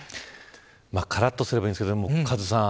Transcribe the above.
からっとすればいいんですけどカズさん